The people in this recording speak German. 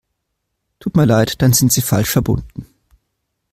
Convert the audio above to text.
Tut mir leid, dann sind Sie falsch verbunden.